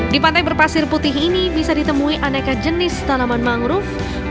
di pantai berpasir putih ini bisa ditemui aneka jenis tanaman mangrove